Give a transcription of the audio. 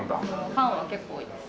ファンは結構多いです。